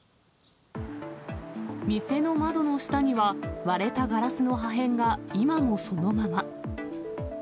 店の窓の下には、割れたガラスの破片が今もそのまま。